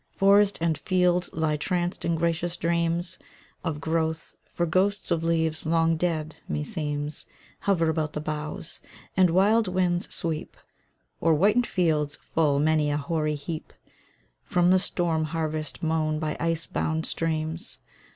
Forest and field lie tranced in gracious dreams Of growth, for ghosts of leaves long dead, me seems, Hover about the boughs; and wild winds sweep O'er whitened fields full many a hoary heap From the storm harvest mown by ice bound streams!